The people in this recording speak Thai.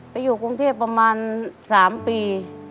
ไปอยู่กรุงเทพประมาณ๓ปี